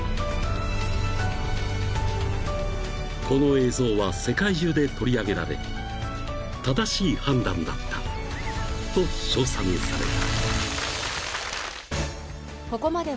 ［この映像は世界中で取り上げられ正しい判断だったと称賛された］